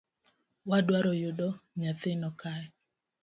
Wadwaro yudo nyathino kae